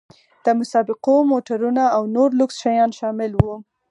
د مسابقو موټرونه او نور لوکس شیان شامل وو.